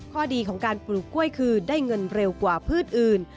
ข้อดีของการปลูกกล้วยคือได้เงินเร็วกว่าพืชอื่น